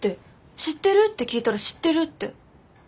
知ってる？って聞いたら「知ってる」って。